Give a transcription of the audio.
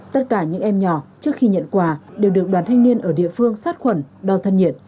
tất cả những em nhỏ trước khi nhận quà đều được đoàn thanh niên ở địa phương sát khuẩn đo thân nhiệt